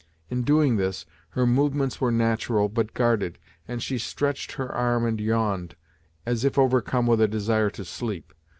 In doing this, her movements were natural, but guarded, and she stretched her arm and yawned, as if overcome with a desire to sleep.